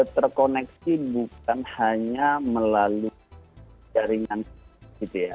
terkoneksi bukan hanya melalui jaringan gitu ya